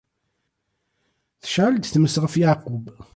Tceɛl-d tmes ɣef Yeɛqub.